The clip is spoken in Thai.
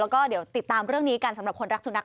แล้วก็เดี๋ยวติดตามเรื่องนี้กันสำหรับคนรักสุนัข